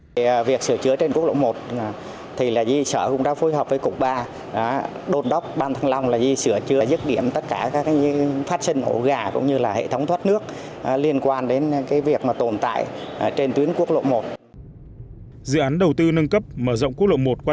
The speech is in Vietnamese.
dự án đầu tư nâng cấp mở rộng quốc lộ một qua tiến độ đồng loạt triển khai thi công sửa chữa ổ gà và hành lún